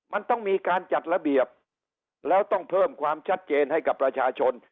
มันต้องมีการจัดระเบียบแล้วต้องเพิ่มความชัดเจนให้กับประชาชน